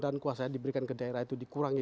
dan kuasa yang diberikan ke daerah itu dikurangi